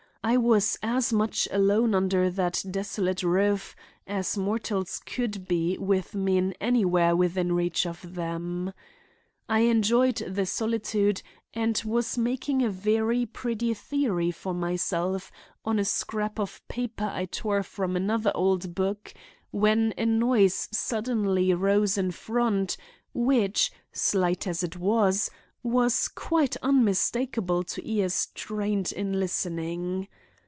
I was as much alone under that desolate roof as mortal could be with men anywhere within reach of him. I enjoyed the solitude and was making a very pretty theory for myself on a scrap of paper I tore from another old book when a noise suddenly rose in front, which, slight as it was, was quite unmistakable to ears trained in listening.